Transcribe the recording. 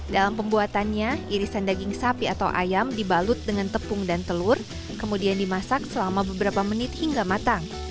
dalam pembuatannya irisan daging sapi atau ayam dibalut dengan tepung dan telur kemudian dimasak selama beberapa menit hingga matang